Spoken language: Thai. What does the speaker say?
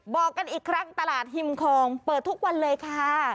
บอกกันอีกครั้งตลาดฮิมคองเปิดทุกวันเลยค่ะ